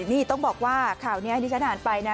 นี่ต้องบอกว่าข่าวนี้ให้ที่ฉันอ่านไปนะ